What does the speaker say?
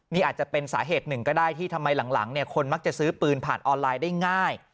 นี่อาจจะเป็นสาเหตุหนึ่งก็ได้ที่ทำไมหลังคนมักจะซื้อปืนผ่านออนไลน์ได้ง่าย